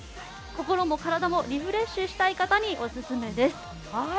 心も体もリフレッシュしたい方にオススメです。